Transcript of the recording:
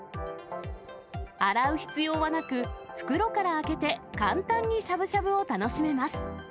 洗う必要はなく、袋から開けて、簡単にしゃぶしゃぶを楽しめます。